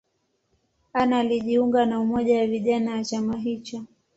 Anna alijiunga na umoja wa vijana wa chama hicho.